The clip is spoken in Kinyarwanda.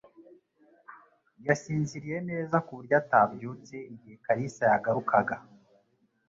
Yasinziriye neza ku buryo atabyutse igihe Kalisa yagarukaga.